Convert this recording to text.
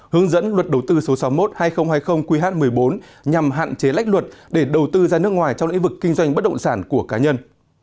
hướng dẫn luật đầu tư số sáu mươi một hai nghìn hai mươi qh một mươi bốn nhằm hạn chế lách luật để đầu tư ra nước ngoài trong lĩnh vực kinh doanh bất động sản của cá nhân